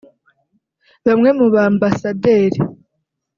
bamwe mube ba ambasaderi